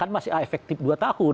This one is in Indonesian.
masih efektif dua tahun